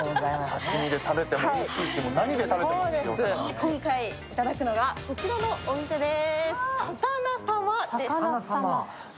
今回いただくのは、こちらのお店です。